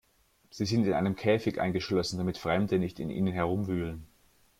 Sie sind in einen Käfig eingeschlossen, damit Fremde nicht in ihnen herumwühlen.